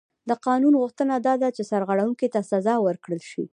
د قانون غوښتنه دا ده چې سرغړونکي ته سزا ورکړل شي.